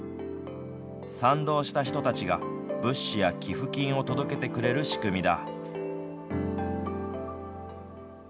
賛同した人たちが物資や寄付金を届けてくれる仕組みだ。